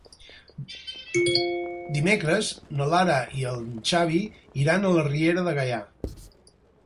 Dimecres na Lara i en Xavi iran a la Riera de Gaià.